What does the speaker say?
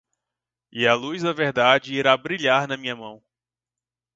E a luz da verdade irá brilhar na minha mão